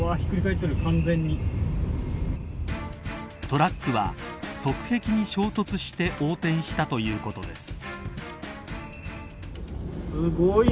トラックは側壁に衝突して横転したということです。